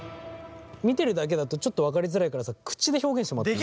見てるだけだとちょっと分かりづらいからさ口で表現してもらっていい？